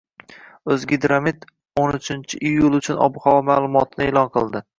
«O‘zgidromet»o'n uchiyul uchun ob-havo ma'lumotini e'lon qildi